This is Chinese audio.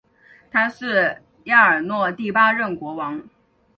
他是亚尔诺第八任国王。